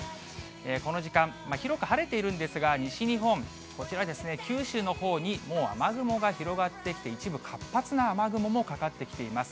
この時間、広く晴れているんですが、西日本、こちらは九州のほうにもう雨雲が広がってきて、一部、活発な雨雲もかかってきています。